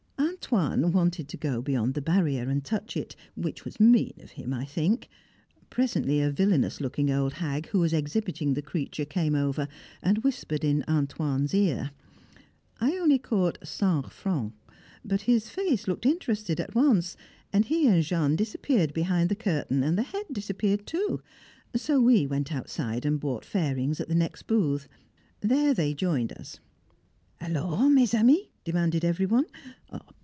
"Antoine" wanted to go beyond the barrier and touch it, which was mean of him, I think. Presently a villainous looking old hag, who was exhibiting the creature, came over, and whispered in "Antoine's" ear. I only caught "cinq francs," but his face looked interested at once, and he and Jean disappeared behind the curtain and the head disappeared too, so we went outside, and bought "farings" at the next booth. There they joined us. "Alors, mes amis?" demanded every one.